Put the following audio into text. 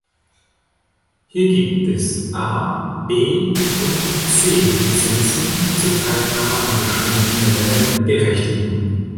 Hier gibt es A-, B- und C-Lizenzen, die zur Teilnahme an bestimmten Rennen berechtigen.